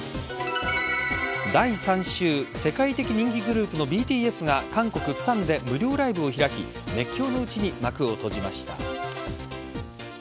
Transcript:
第３週世界的人気グループのＢＴＳが韓国・釜山で無料ライブを開き、熱狂のうちに幕を閉じました。